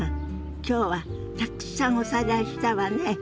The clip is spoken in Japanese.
今日はたくさんおさらいしたわね。